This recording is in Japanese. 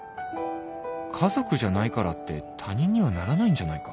家族じゃないからって他人にはならないんじゃないか？